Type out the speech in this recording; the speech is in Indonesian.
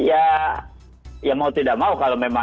ya mau tidak mau kalau memang